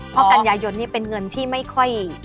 เพราะกันยายนนี่เป็นเงินที่ไม่ค่อย